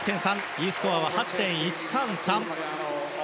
Ｅスコアは８．１３３。